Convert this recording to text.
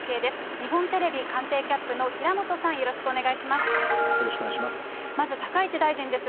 日本テレビ官邸キャップの平本さん、よろしくお願いします。